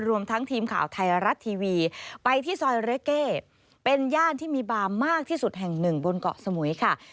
รวมทั้งทีมข่าวไทยรัฐทีวีไปที่ซอยเรเก้เป็นย่านที่มีบาร์มากที่สุดแห่งหนึ่งบนเกาะสมุยค่ะ